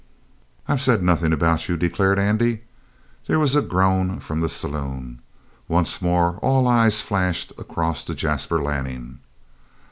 "I've said nothing about you," declared Andy. There was a groan from the saloon. Once more all eyes flashed across to Jasper Lanning.